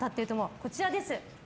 こちらです。